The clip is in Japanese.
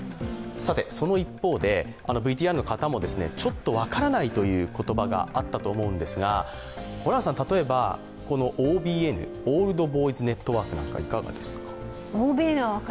その一方で、ＶＴＲの方もちょっと分からないという言葉もあったと思うんですがホランさん、ＯＢＮ、オールド・ボーイズ・ネットワークはいかがですか？